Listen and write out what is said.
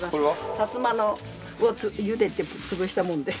サツマを茹でて潰したもんです。